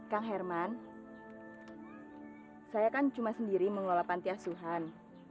kang herman saya kan cuma sendiri mengelola panti asuhan